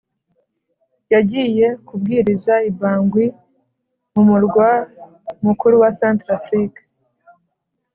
Yagiye kubwiriza i Bangui mu murwa mukuru wa Centrafrique